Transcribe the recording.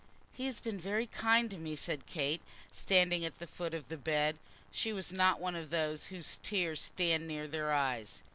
"He has been very kind to me," said Kate, standing at the foot of the bed. She was not one of those whose tears stand near their eyes.